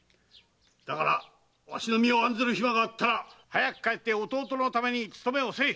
だからわしの身を案ずる暇があったら早く帰って弟のために勤めをせい。